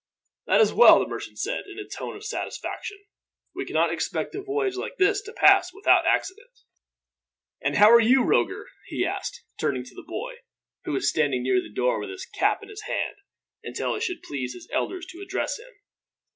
"That is well," the merchant said, in a tone of satisfaction. "We cannot expect a voyage like this to pass without accident. "And how are you, Roger?" he asked, turning to the boy, who was standing near the door with his cap in his hand, until it should please his elders to address him.